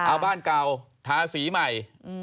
เอาบ้านเก่าทาสีใหม่